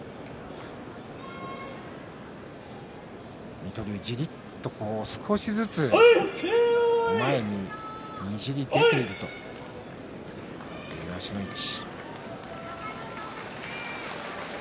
水戸龍、少しずつ前ににじり出ているという足の位置。